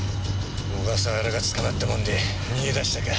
小笠原が捕まったもんで逃げ出したか。